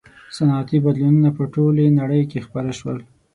• صنعتي بدلونونه په ټولې نړۍ کې خپاره شول.